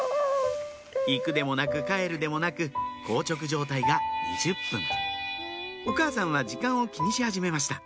行くでもなく帰るでもなく硬直状態が２０分お母さんは時間を気にし始めました